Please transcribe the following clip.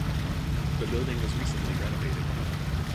The building was recently renovated.